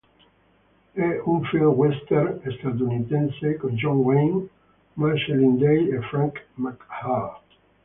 È un film western statunitense con John Wayne, Marceline Day e Frank McHugh.